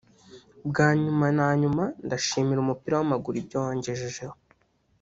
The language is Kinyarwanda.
Bwa nyuma na nyuma ndashimira umupira w’amaguru ibyo wangejejeho